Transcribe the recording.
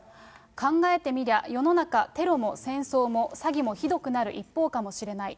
考えてみりゃ、世の中、テロも戦争も詐欺もひどくなる一方かもしれない。